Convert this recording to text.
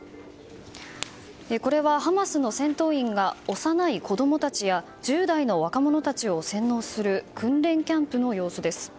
これは、ハマスの戦闘員が幼い子供たちや１０代の若者たちを洗脳する訓練キャンプの様子です。